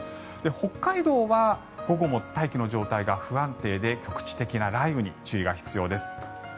北海道は午後も大気の状態が不安定で局地的な雷雨に注意が必要です。